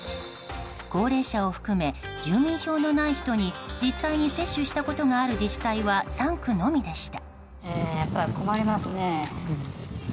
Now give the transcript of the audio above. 高齢者を含め住民票のない人に実際に接種したことがある自治体は３区のみでした。